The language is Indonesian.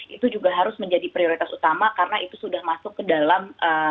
itu juga harus menjadi prioritas utama karena itu sudah masuk ke dalam